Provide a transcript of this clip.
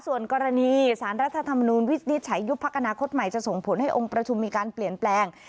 ส่วนกรณีสารรัฐธรรมนุนวิจิตฐ์ใช้ยุคพักนาข้อส่งผลให้องค์ประทุมมีการเปลี่ยนแปลง